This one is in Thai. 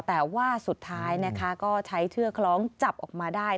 แต่ว่าสุดท้ายนะคะก็ใช้เชือกคล้องจับออกมาได้